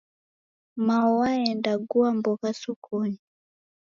Mao waenda gua mbogha sokonyi.